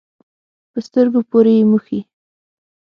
په سترګو پورې یې مښي.